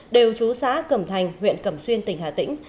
đều trú xã cẩm thành huyện cẩm xuyên tỉnh hà tĩnh